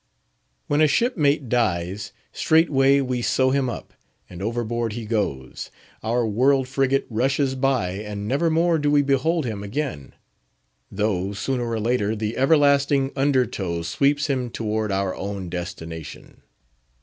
When a shipmate dies, straightway we sew him up, and overboard he goes; our world frigate rushes by, and never more do we behold him again; though, sooner or later, the everlasting under tow sweeps him toward our own destination.